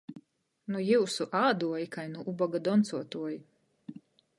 Nu jiusu āduoji kai nu uboga doncuotuoji!